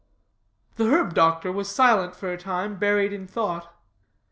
The herb doctor was silent for a time, buried in thought.